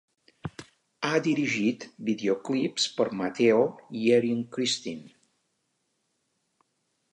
Ha dirigit videoclips per Mateo i Erin Christine.